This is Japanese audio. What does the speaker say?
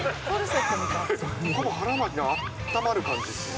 ほぼ腹巻きで、あったまる感じですね。